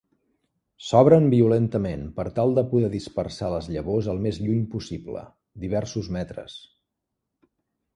S'obren violentament per tal de poder dispersar les llavors el més lluny possible, diversos metres.